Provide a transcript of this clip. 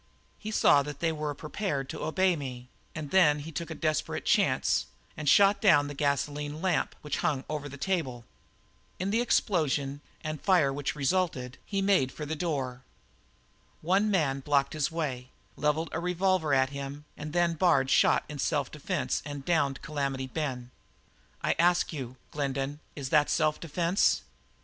He saw that they were prepared to obey me, and then he took a desperate chance and shot down the gasoline lamp which hung over the table. In the explosion and fire which resulted he made for the door. One man blocked the way, levelled a revolver at him, and then Bard shot in self defence and downed Calamity Ben. I ask you, Glendin, is that self defence?"